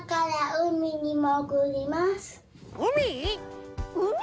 うみ？